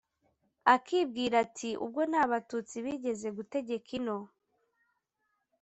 akibwira ati: “ubwo nta batutsi bigeze gutegeka ino,